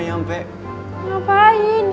kok lo ketawa sih